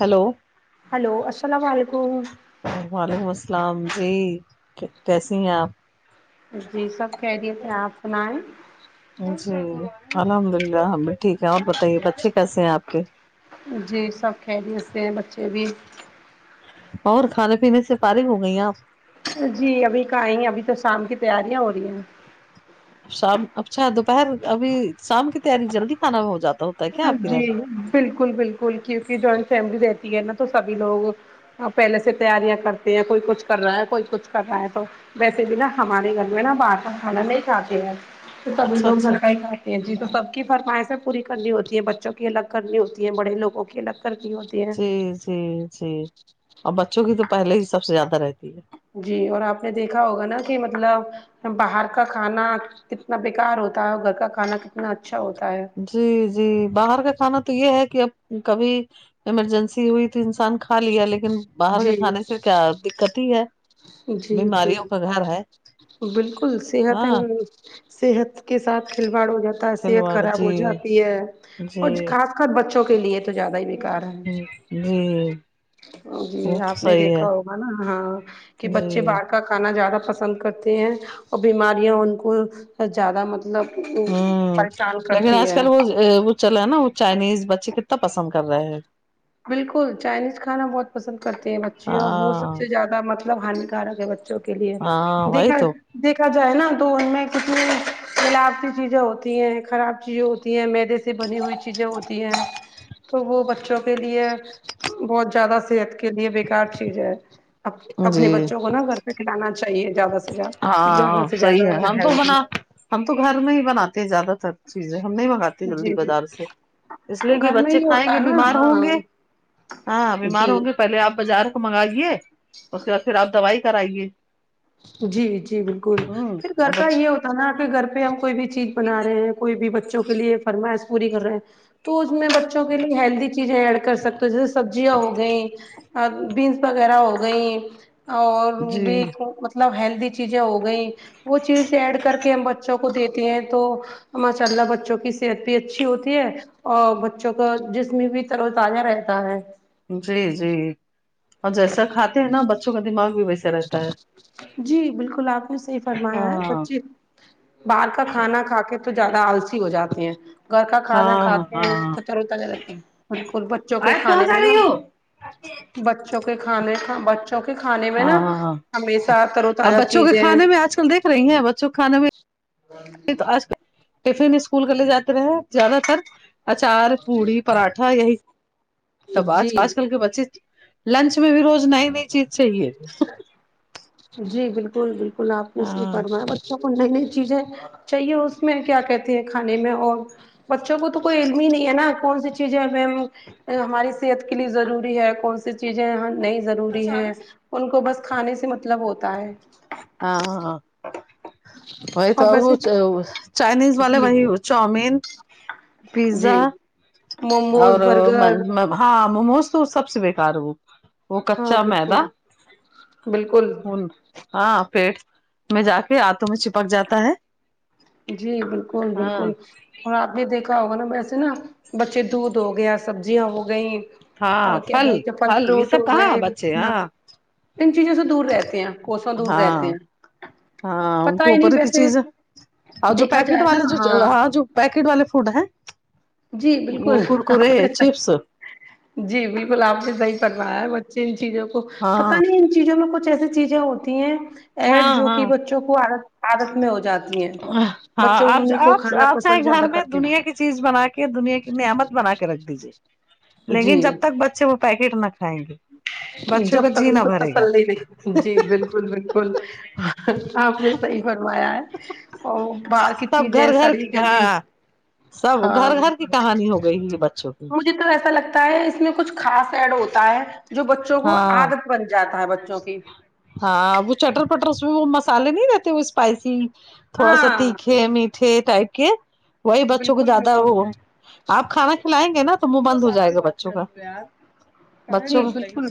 Hello hello السلام علیکم وعلیکم السلام جی کیسی ہیں آپ جی سب خیریت ہے آپ سنایے جی الحمد اللہ ہم بھی ٹھیک ہے اور بتائیے بچے کیسے ہیں آپ کے جی سب خیریت سے بچے بھی اور کھانے پینے سے فارغ ہو گئئیں آپ جی ابھی کہاں آئیں ابھی تو شام کی تیاریاں ہو رہی ہیں شام اچھا دوپہر ابھی شام کی تیاری جلدی کھانا ہو جاتا ہو ہاں جی بالکل بالکل کیونکی جوائنٹ فیملی رہتی ہے نا تو سبھی لوگ پہلے سے تیاریاں کرتے ہیں کوئی کچھ کر رہا ہے کوئی کچھ کر رہا ہے تو ویسے بھی نا ہمارے گھر میں نا باہر کا کھانا نہیں کھاتے ہیں تو سب ہی اچھا لوگ اچھا گھر کا ہی کھاتے ہیں جی تو سب کی فرمائشیں پوری کرنی ہوتی یہ بچوں کی الگ کرنی ہوتی ہیں بڑے لوگوں کی الگ کرنی ہوتی ہے جی جی جی اور بچوں کی تو پہلے ہی سب سے زیادہ رہتی ہے جی اور آپ نے دیکھا ہوگا نا کہ مطلب باہر کا کھانا کتنا بیکار ہوتا ہے اور گھر کا کھانا کتنا اچھا ہوتا ہے جی جی باہر کا کھانا تو یہ ہے کہ اب کبھی ایمرجنسی ہوئی تو انسان کھا لیا لیکن باہر کے جی کھانے سے کیا دقت ہی ہے جی جی بیماریوں کا گھر ہے بالکل صحت ہاں صحت کے ساتھ کھلواڑ ہو جاتا ہے صحت کھلواڑ خراب جی ہو جاتی جی کچھ خاص حد بچوں کے لیے تو زیادہ ہی بیکار ہ ہے جی جی وہ تو آپ نے صحیح ہے دیکھا ہوگا نا ہاں کہ بچے ب جی اہر کھانا زیادہ پسند کرتے ہیں اور بیماریاں ان کو زیادہ مط لب وہ پریشان کرتی ہے ا وہ چلا نا وہ چائنیز بچے کتنا پسند کر رہے ہیں بالکل چائنیز کھانا بہت پسند کرتے ہیں بچے اور وہ سب ہاں سے زیا دہ مطلب ہانی کارک ہے بچوں کے لیے ہاں وہی دیکھا تو دیکھا جائے نا تو ان میں کتنے ملاوٹی چیزیں ہوتی ہیں خراب چیزیں ہوتی ہیں میدے سے بنی ہوئی چیزیں ہوتی ہیں تو وہ بچوں کے لیے بہت زیادہ صحت کے لیے بیکار چیز ہے جی اپنے بچوں کو نا گھر پہ کھلانا چاہیے زیادہ سے زیادہ زیادہ ہاں سے صحیح زیادہ ہے اور ہم تو ہیلدی بنا ہم تو گھر میں ہی بناتے ہیں زیادہ تر چیزیں ہم نہیں منگاتے جی جلدی بازار سے اس لیے کہ گھر میں بچے ہی کھائیں ہوتا گے ہے نا بیمار ہوں ہاں گے ہاں بیمار جی ہوں گے پہلے آپ بازار کو منگائیے اس کے بعد پھر آپ دوائی کرائیے جی جی بالکل ہوں پھر گھر اب کا یہ اچھا ہوتا نا کہ گھر پہ ہم کوئی بھی چیز بنا رہے ہیں کوئی بھی بچوں کے لیے فرمائش پوری کر رہے ہیں تو اس میں بچوں کے لیے ہیلدی چیزیں ایڈ کر سکتے جیسے سبزیاں ہو گئیں بینس وغیرہ ہو گئیں اور جی بھی مطلب ہیلدی چیزیں ہو گئی وہ چیزیں ایڈ کر کے ہم بچوں کو دیتے ہیں تو ماشاء اللہ بچوں کی صحت بھی اچھی ہوتی ہے اور بچوں کا جسم بھی تر و تازہ رہتا ہے جی جی اور جیسا کھاتے ہیں نا بچوں کا دماغ بھی و جی بالکل آپ نے صحیح فرمایا ہے ہاں بچی باہر کا کھانا کھا کے تو زیادہ آلسی ہو جاتے ہیں گھر کا کھانا ہاں کھاتے ہیں ہاں تو تر و تازہ [unintelligible] رہتے ہیں بالکل بچوں کے آج کھانے پہنچا میں نا رہی ہو بچوں کہ کھانے کا بچوں کے کھانے میں نا ہمیشہ تر و اب تازہ بچوں کے چیزیں کھانے میں آج کل دیکھ رہی ہیں بچوں کے کھانے میں آج کل ٹفن اسکول کا لے جاتے رہے زیادہ تر اچار پوڑی پراٹھا یہی سب آج جی آج کل کے بچے لنچ میں بھی روز نئی نئی چیز چاہیے جی بالکل بالکل آپ نے صحیح ہاں فرما بچوں کو نئی نئی چیزیں چاہیے اس میں کیا کہتے ہیں کھانے میں اور بچوں کو تو کوئی علم ہی نہیں ہے نا کون سی چیزیں ہماری صحت کے لیے ضروری ہے کون سی چیزیں نہیں ضروری ہے ان کو بس کھانے سے مطلب ہوتا ہے ہاں ہاں وہی تو اور وہ ویسے چاےچائنیز والے جی وہ چاؤمین پیزا جی اور موموز برگر [unintelligible] ہاں موموز تو سب سے بیکار ہے وہ وہ ہاں کچا میدا بالکل بالکل کھول ہاں پیٹ میں جا کے اتو میں چپک جاتا ہے جی بالکل ہاں بالکل اور آپ نے دیکھا ہوگا نا ویسے نا بچے دودھ ہو گیا سبزیاں ہو گئیں اور ہاں کیا بولتے پھل یہ فروٹ ہو سب کہاں گئے بچے ہاں انن چیزوں سے دور رہتے ہیں کوساں دور رہتے ہاں ہیں ہاں ان کو پتا ہی نہیں اوپر کی ویسے چیز اور جو دیکھا پیکٹ جائے نا والے جو ہاں جو پیکٹ والے فوڈ ہیں جی وہ بالکل کرکرے آپ نے چپس جی بالکل آپ نے صحیح فرمایا ہے بچے ان چیزوں کو پتا ہاں نہیں چیزوں میں کچھ ایسی چیزیں ہوتی ہیں ایڈ ہاں جو ہاں کہ بچوں کو عادت میں ہو جاتی ہیں ہاں بچوں آپ انہیں کو آپ کھانا آپ چاہے پسند گھر زیادہ میں کرتے دنیا ہیں کی چیز بنا کے دنیا کی نعمت بنا کے رکھ دیجیے لیکن جی جب تک بچے وہ پیکٹ نہ کھائیں گے بچوں جب کا تک ان جینا کو بھرے گا تسلی نہیں جی بالکل بال کل آپنے صحیح فرمایا ہے اور باہر کی سب چیزیں گھر گھر سڑی گلی سب ہاں گھر گھر کی بالکل کہانی ہو گئی یہ بچوں کی مجھے تو ایسا لگتا ہے اس میں کچھ خاص ایڈ ہوتا ہے جو بچوں کو ہاں عادت بن جاتا ہے بچوں کی ہاں وہ چٹر پٹر اس میں وہ مسالے نہیں رہتے وہ اسپائسی تھوڑا سا ہاں تیکھے می ٹھے ٹائپ کے وہی بچوں کو بالکل زیادہ بالکل وہ آپ کھانا کھلائیں گے نا تو منہ بند ہو جائے گا بچوں کا بچوں جی کا بالکل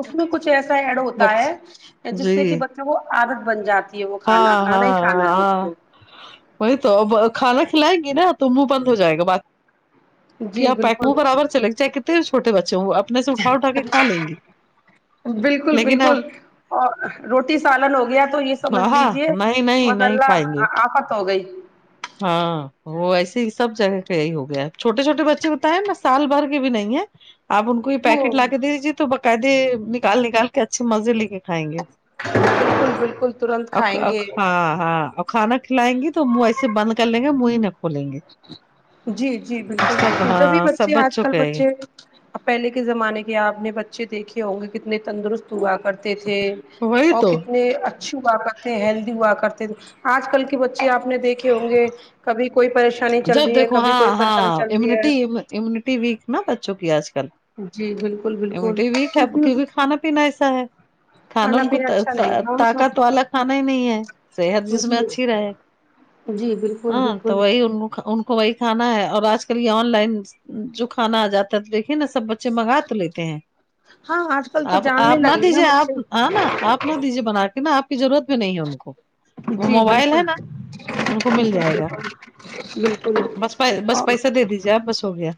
اس میں کچھ ایسا ایڈ ہوتا بچ ہے جس جی سے کہ ب چوں وہ عادت بن جاتی ہے وہ کھانا ہاں کھانا ہی ہاں کھانا ہے اس ہاں کو وہی تو اب کھانا کھلائیں گے نا تو منہ بند ہو جائے گا بق کیا جی آپ بالکل پیکمو برابر چل گے چے کنے چوٹے بچے ہو اپنے سے اٹھا اٹھا کے کھا لیں گے بالکل لیکن آپ بالکل اور روٹی سالن ہو گیا تو یہ سمجھ ہاں لیجے نہیں نہیں نہیں مساللہ کھائیں گے آفت ہو گئی ہاں وہ ایسے ہی سب جگہ پہ یہی ہو گیا چھوٹے چھوٹے بچے ہوتا ہے نا سال بھر بھی نہیں ہے آپ ان کو یہ وہ پیکیٹ لا کے دے دیجیے تو باقاعدے نکال نکال کے اچھے مزے لے کے کھائیں گے بالکل بالکل ترنت اخ کھائیں اخ گے ہاں ہاں کھانا کھلائیں گی تو منہ ایسے بند کر لیں گے منہ ہی ن جی جی بالکل سب بالکل جبھی ہاں سب بچے اج بچوں کل کے ہیں یہ. بچے اب پہلے کے زمانے کے اپ نے بچے دیکھے ہوں گے کتنے تندرست ہوا کر تے تھے وہی اور تو کتنے اچھی ہوا کرتے ہیلدی ہوا کرتے تھے آج کل کے بچے آپ نے دیکھے ہوں گے کبھی کوئی پریشانی چل جب رہی ہے دیکھو کبھی ہاں کوئی ہاں پریشانی چل رہی امیونٹی ہے امیونٹی ویک نا بچوں کی آج کل جی بالکل بالکل امیونٹی ویک ہے کیو کی نہ کیونکہ کھانا پینا ایسا ہے کھانا ان کو پینا اچھا نہیں ہے نا طاقت والا کھانا ہی نہیں ہے صحت جس میں جی اچھی رہے جی بالکل ہاں تو بالکل وہی ان ان کو وہی کھانا ہے اور آج کل یہ آن لائن جو کھانا آ جاتا ہے تو دیکھے نا سب بچے منگا تو لیتے ہیں ہاں آج کل تو آپ جاننے آپ نہ لگے نا دیجیے بچے آپ ہ نا آپ نہ دیجے بنا کے نا آپ کی ضرورت بھی نہیں ہے ان کو وہ جی موبائل بالکل ہے نا ان کو مل جائے گا بالکل بالکل بس پیے بس اور پیسہ دے دیجیے آپ بس ہو گیا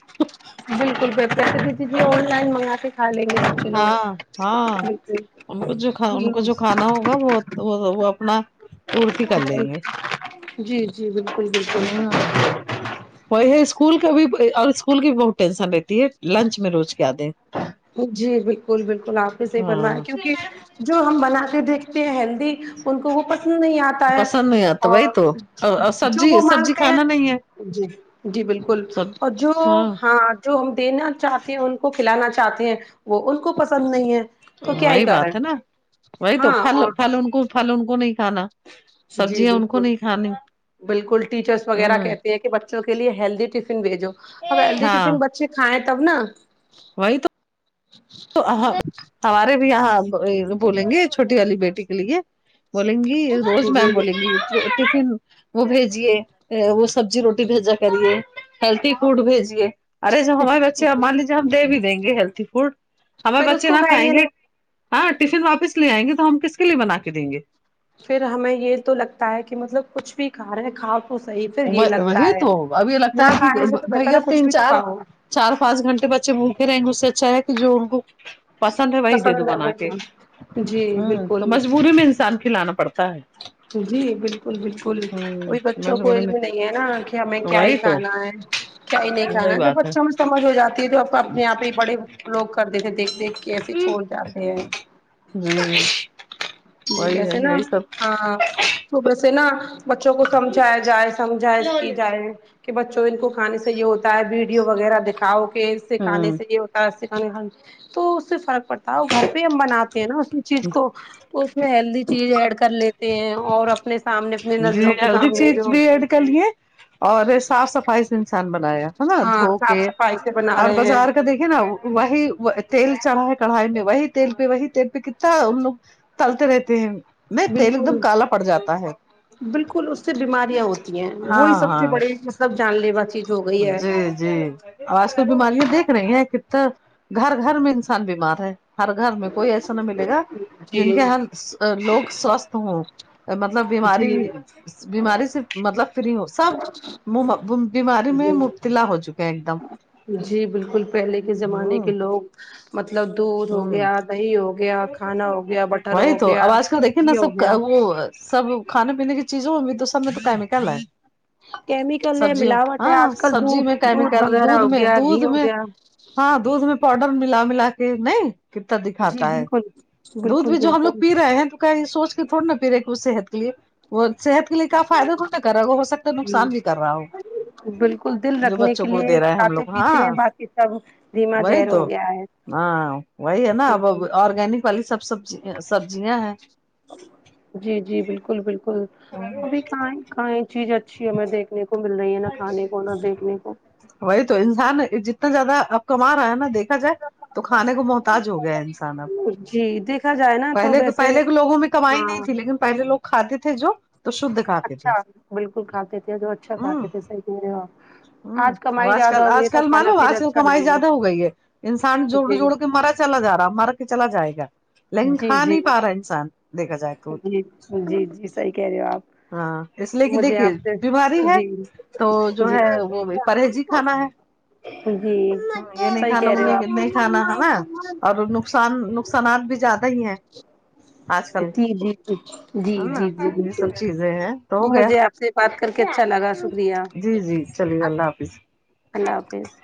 بالکل بہتر ہے تو دی دی آن لائن منگا کے کھا لیں گے بچے لوگ ہاں ہاں ان کو جو ان کو جو کھانا ہوگا ب تو وہ وہ اپنا اڑتے کر لیں بالکل گے جی جی جی بالکل بالکل ہاں وہی اسکول کا بھی اور اسکول کی بھی بہت ٹینشن رہتی ہے لنچ میں روز کیا دیں جی بالکل بالکل آپ نے صحیح فرمایا ہاں کیونکہ جو ہم بنا کے دیکھتے ہیں ہیلدی ان کو وہ پسند نہیں آتا ہے پسند نہیں آتا وہی اور تو اور جو وہ سبزی سبزی مانگتے کھانا نہیں ہے ہیں جی جی بالکل سب اور جو ہاں جو ہم دینا چاہتے ہیں ان کو کھلانا چاہتے ہیں وہ ان کو پسند نہیں ہے تو کیا وہی ہی بات کریں ہے نا وہی تو ہاں پھل اور پھل ان کو پھل ان کو نہیں کھانا جی سبجیاں ان کو بالکل نہیں کھانی بالکل ٹیچرس وغیرہ ہوں کہتے ہیں کہ بچوں کے لئے ہیلدی ٹفن بھیجو اب ہیلدی ہاں ٹفن بچے کھائیں تب نا وہی تو ج ہاں ہمارے بھی یہاں بولیں گے چھوٹی والی بیٹی کے لیے بولیں گی روز جی میم بولیں گی ٹفن وہ بھیجیے وہ سبزی روٹی بھیجا کریے ہیلتھی فوڈ بھیجیے ارے جو ہمارے بچے مان لیجیے ہم دے بھی دیں گے ہیلتھی فوڈ ہمار پھر اس بچے نہ کو کھائیں گے نہیں ہاں ٹفن واپس لے آئیں گے تو ہم کس کے لیے بنا کے دیں گے پھر ہمیں یہ تو لگتا ہے کہ مطلب کچھ بھی کھا رہے کھا تو صحیح پھر یہ لگتا وہی ہے تو اب یہ لگتا نہ ہے کہ کھانے سے تو بہتر بھیا ہے کچھ تین بھی تو چار کہو چار پانچ گھنٹے بچے بھوکے رہیں گے اس سے اچھا ہے کہ جو ان کو پسند ہے وہی دے دو پسند ہے بنا کے وہی جی ہوں تو بالکل مجبوری میں انسان کھلانا پڑ تا ہے جی بالکل بالکل ہوں وہی بچوں کو مجبوری میں علم نہیں ہے نا کہ ہمیں کیا ہی وہی تو کھانا ہے کیا ہی نہیں وہی کھانا ہے جب بات بچھوں میں سمجھ ہو جاتا یہ جو اپنے آپ ہی بڑے لوگ کرتے تھے دیکھ دیکھ کے ایسے چھوڑ جاتے ہیں ہمم جی ویسے نا ہاں تو ویسے نا بچوں کو سمجھایا جائے سمجھائے اسکی جائے کہ بچوں ان کو کھانے سے یہ ہوتا ہے ویڈیو وغیرہ دکھاؤ کہ اس سے کھانے ہوں سے یہ ہوت ہاتھ سے کھانا کھانا تو اس سے فرق پڑتا ہے وہ گھر پہ ہی ہم بناتے ہیں نا اس چیز کو اس میں ہیلدی چیز ایڈ کر لیتے ہیں اور اپنے سامنے اپنے جی نظروں کے ہیلدی سامنے چیز جو بھی ایڈ کر لیے اور یہ صاف صفائی سے انسان بنایا ہے نا ہاں دھو صاف کے صفائی سے بنا اور رہے ہیں بازار کا دیکھیے نا وہی وہ تیل چڑھا ہے کڑھائی میں وہی تیل پہ وہی تیل پہ کتتا ان لوگ تلتے رہتے ہیں وہ تیل ایک دم بالکل کالا پڑ جاتا ہے بالکل اس سے بیماریاں ہوتی ہیں وہی ہاں سب سے ہاں بڑی مطلب جان لیوا چیز ہو گئی ہے جی جی آج کل بیماریاں دیکھ رہے ہیں کتے گھر گھر میں انسان بیمار ہے ہر گھر میں کوئی ایسا نہ ملے گا جی جن کے ہر لوگ سوستھ ہو مطلب بیماری جی بیماری سے مطلب فری ہو سب ممب بیماری میں جی مبت تلا ہو چکا ہے ایک دم جی بالکل پہلے کے زمانے کے ہوں لوگ مطلب دودھ ہو ہوں گیا دہی ہو گیا کھانا ہو گیا بٹر وہی ہو تو گیا اب آج کل دیکھیے نا گھی ہو سب گیا وہ سب کھانے پینے کی چیزوں میں بھی تو سب میں تو کیمیکل ہے کیمیکل ہے سبزیوں ملاوٹ ہے ہاں آج کل سبزی میں دودھ کیمیکل وغیرہ دودھ ہو میں گیا دودھ گھی ہو میں گیا ہاں دودھ میں پاؤڈر ملا ملا کے نہیں کتنا جی دکھاتا ہے بالکل دودھ بالکل بھی جو ہم لوگ بالکل پی رہے ہیں تو کیا یہ سوچ کے تھوڑی نا پی رہے کہ اس صحت کے لیے وہ صحت یہ کا فائدہ تھوڑ نا کر رہا ہو ہو سکتا ہے نقصان بھی کر رہا ہو بالکل دل جو رکھنے بچوں کے کو لیے دے رہا ہے ہم کھاتے لوگ ہاں پیتے ہیں باقی سب دھیما وہی زہر تو ہو گیا ہے ہاں وہی ہے نا اب آرگینک والی سب سبزی سبزیاں ہیں جی جی بالکل بالکل ابھی کہاں ہے کہاں ہے چیز اچھی ہے ہمیں دیکھنے کو مل رہی ہے نہ کھانے کو نہ دیکھنے کو وہی تو انسان جتنا زیادہ اب کما رہا ہے نا دیکھا جائے تو کھانے کو محتاج ہو گیا ہے انسان اب جی دیکھا جائے نا تو پہلے کے ویسے پہلے کے لوگوں میں کمائی ہاں نہیں تھی لیکن پہلے لوگ کھاتے تھے جو تو شدھ کھاتے تھے اچھا بالکل کھاتے تھے جو اچھا کھاتے تھے صحیح کہہ رہے ہے آپ امم اب کمائی آج زیادہ کل ہو آج گئی تو کل کھانا معلوم پینا آج کل اچھا کمائی نہیں زیادہ ہو گئی ہے انسان جوڑ جوڑ کے مرض چلا جارا مرا کے چلا جائے گا لیکن جی جی کھا جی نہیں پا رہا انسان دیکھا جائے تو جی جی جی صحیح کہہ رہے ہو آپ ہاں اس لیے کہ مجھے دیکھیے آپ سے بیماری میں جی تو جو جی جی ہے وہ بھی پرہیزی کھانا ہے یہ نہیں صحیح کھانا کہہ رہے ہو انہیں نہیں کھانا ہے نا آپ اب اور نقصان نقصانات بھی زیادہ ہی ہیں آج کل جی جی جی جی ہے جی نا جی یہ بالکل سب چیزیں ہیں تو ہو گیا مجھے آپ سے بات کر کے اچھا لگا شکریہ جی جی چلیے اللہ حافظ اللہ حافظ